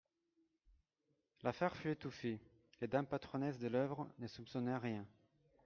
L'affaire fut étouffée, les dames patronnesses de l'oeuvre ne soupçonnèrent rien.